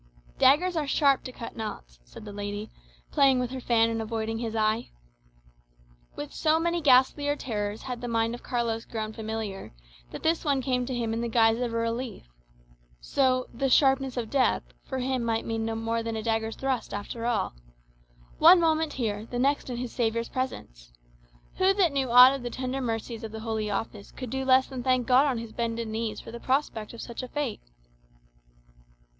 "Daggers are sharp to cut knots," said the lady, playing with her fan and avoiding his eye. With so many ghastlier terrors had the mind of Carlos grown familiar, that this one came to him in the guise of a relief. So "the sharpness of death" for him might mean no more than a dagger's thrust, after all! One moment here, the next in his Saviour's presence. Who that knew aught of the tender mercies of the Holy Office could do less than thank God on his bended knees for the prospect of such a fate!